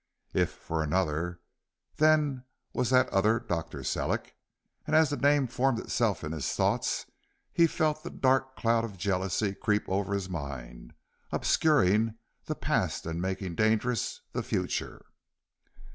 If for another, then was that other Dr. Sellick, and as the name formed itself in his thoughts, he felt the dark cloud of jealousy creep over his mind, obscuring the past and making dangerous the future.